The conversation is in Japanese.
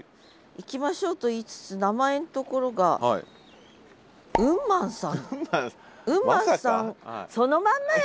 「いきましょう」と言いつつ名前んところがそのまんまやん。